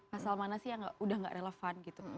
pasal mana sih yang udah gak relevan gitu